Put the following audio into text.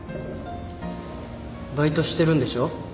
バイトしてるんでしょ？